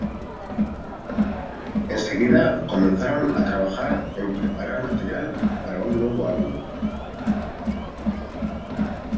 Enseguida comenzaron a trabajar en preparar material para un nuevo álbum.